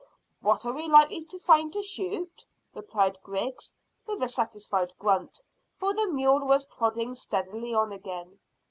"What are we likely to find to shoot?" replied Griggs, with a satisfied grunt, for the mule was plodding steadily on again.